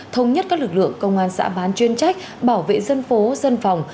thống nhất các lực lượng công an xã bán chuyên trách bảo vệ dân phố dân phòng